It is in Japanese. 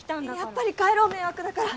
やっぱり帰ろう迷惑だから。